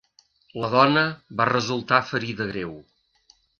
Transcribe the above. La dona va resultar ferida greu.